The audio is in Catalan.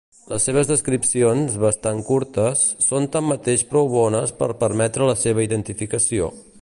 Les seves descripcions, bastant curtes, són tanmateix prou bones per permetre la seva identificació.